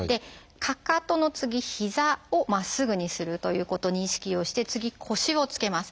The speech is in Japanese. かかとの次膝をまっすぐにするということに意識をして次腰をつけます。